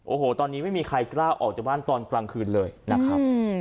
โอ้โหตอนนี้ไม่มีใครกล้าออกจากบ้านตอนกลางคืนเลยนะครับ